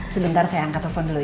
sebentar saya angkat telepon dulu